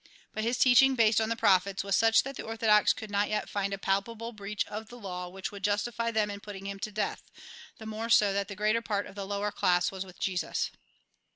But his teaching, based on the pro phets., was such that the orthodox could not yet find a palpable breach of the law which would justify them in putting him to death ; the more so that the greater part of the lower class was with Jesus.